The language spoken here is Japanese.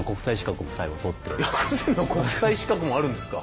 薬膳の国際資格もあるんですか？